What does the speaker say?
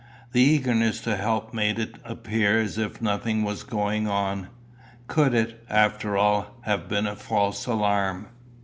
The eagerness to help made it appear as if nothing was going on. Could it, after all, have been a false alarm?